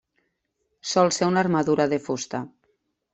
Sol ser una armadura de fusta.